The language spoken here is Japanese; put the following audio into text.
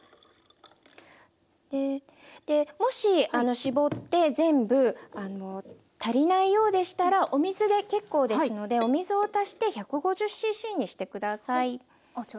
もし搾って全部足りないようでしたらお水で結構ですのでお水を足して１５０ｃｃにして下さい。